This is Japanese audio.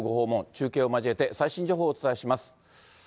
中継を交えて最新情報をお伝えします。